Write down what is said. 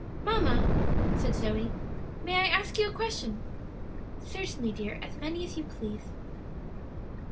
"Mamma," said Zoe, "may I ask you a question?" "Certainly, dear, as many as you please."